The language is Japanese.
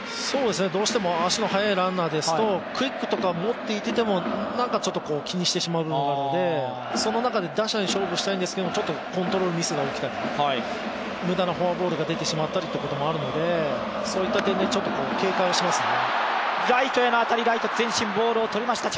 どうしても足の速いランナーですと、クイックとか持っていてもなんかちょっと、気にしてしまう部分があるので、その中で打者に勝負したいんですけど、コントロールミスが起きたりむだなフォアボールが出てしまったりということもあるのでそういった点でちょっと警戒はしますね。